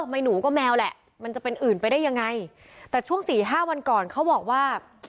ไม่หนูก็แมวแหละมันจะเป็นอื่นไปได้ยังไงแต่ช่วงสี่ห้าวันก่อนเขาบอกว่า